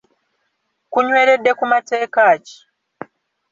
Kunyweredde ku mateeka ki?